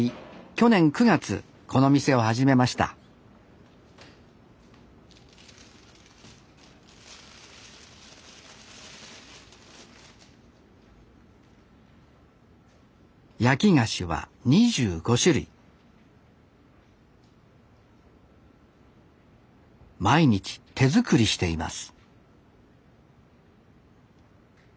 去年９月この店を始めました焼き菓子は２５種類毎日手作りしています